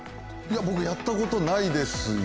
僕やったことないですよ。